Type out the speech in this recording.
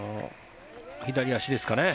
左足ですかね